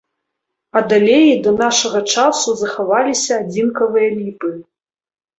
Ад алеі да нашага часу захаваліся адзінкавыя ліпы.